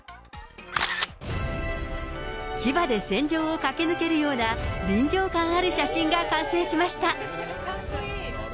騎馬で戦場を駆け抜けるような臨場感ある写真が完成しました。